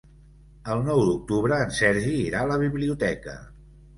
El nou d'octubre en Sergi irà a la biblioteca.